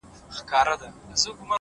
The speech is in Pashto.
چي مات سې’ مړ سې تر راتلونکي زمانې پوري’